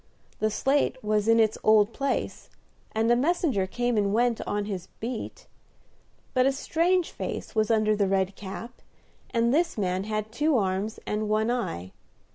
The slate was in its old place, and a messenger came and went on his beat; but a strange face was under the red cap, and this man had two arms and one eye.